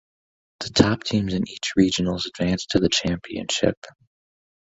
The top teams in each regionals advance to the championship.